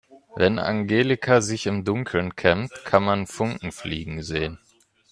Wenn Angelika sich im Dunkeln kämmt, kann man Funken fliegen sehen.